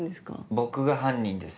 僕が犯人です。